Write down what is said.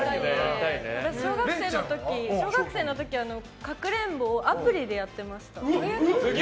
私小学生の時、かくれんぼをアプリでやってました。